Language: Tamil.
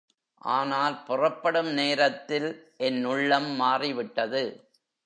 ஆனால் புறப்படும் நேரத்தில் என் உள்ளம் மாறிவிட்டது.